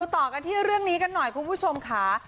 ต่อกันที่เรื่องนี้กันหน่อยคุณผู้ชมค่ะ